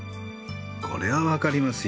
これは分かりますよ。